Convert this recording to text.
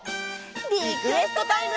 リクエストタイム！